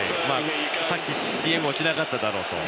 さっきＴＭＯしなかっただろうと。